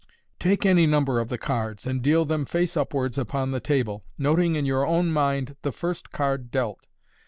— Take any number of the cards, and deal them face upwards upon the table, noting in your own mind the first card dealt.